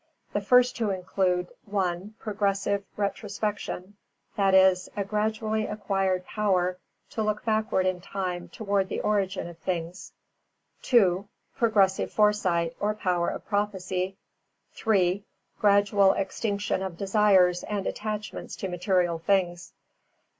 The first to include (1) Progressive retrospection, viz., a gradually acquired power to look backward in time towards the origin of things; (2) Progressive foresight, or power of prophecy; (3) Gradual extinction of desires and attachments to material things.